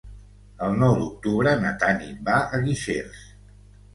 El nou d'octubre na Tanit va a Guixers.